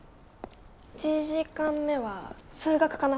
１時間目は数学かな。